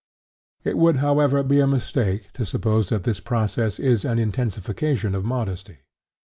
It would, however, be a mistake to suppose that this process is an intensification of modesty.